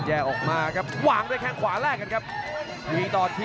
อื้อหือจังหวะขวางแล้วพยายามจะเล่นงานด้วยซอกแต่วงใน